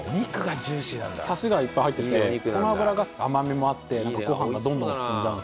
サシがいっぱい入っててこの脂が甘みもあってなんかご飯がどんどん進んじゃうんですよね。